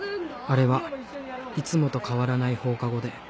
あれはいつもと変わらない放課後で。